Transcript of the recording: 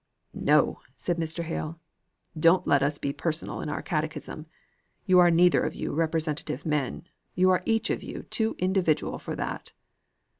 "No!" said Mr. Hale; "don't let us be personal in our catechism. You are neither of you representative men; you are each of you too individual for that."